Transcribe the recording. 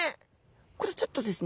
これちょっとですね